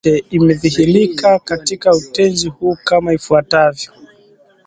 Lahaja ya Kipate imedhihirika katika Utenzi huu kama ifuatavyo